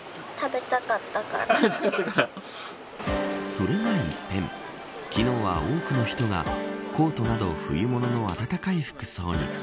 それが一変昨日は多くの人がコートなど冬物の暖かい服装に。